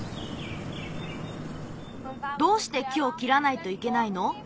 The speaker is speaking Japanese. どうして木をきらないといけないの？